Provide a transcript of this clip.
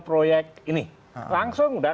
proyek ini langsung udah